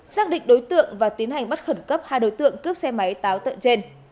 xác định đối tượng và tiến hành bắt khẩn cấp hai đối tượng cướp xe máy táo tợn trên